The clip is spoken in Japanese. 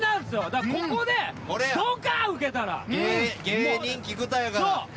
芸人菊田やから。